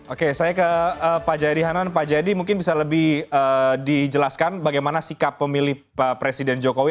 oke saya ke pak jayadi hanan pak jayadi mungkin bisa lebih dijelaskan bagaimana sikap pemilih presiden jokowi